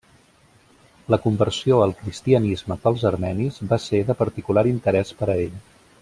La conversió al cristianisme pels armenis va ser de particular interès per a ell.